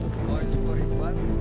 oh itu rp sepuluh an